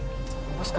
terus kenapa itu